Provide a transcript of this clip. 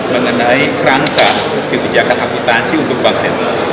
mengenai kerangka kebijakan akutansi untuk bank sentral